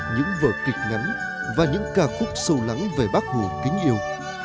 những vở kịch ngắn và những ca khúc sâu lắng về bác hồ kính yêu